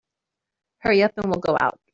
Hurry up and we'll go out.